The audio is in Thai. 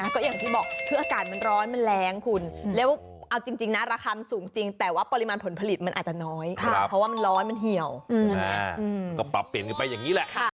ก็อย่างที่บอกคืออากาศมันร้อนมันแรงคุณแล้วเอาจริงนะราคามันสูงจริงแต่ว่าปริมาณผลผลิตมันอาจจะน้อยเพราะว่ามันร้อนมันเหี่ยวก็ปรับเปลี่ยนกันไปอย่างนี้แหละ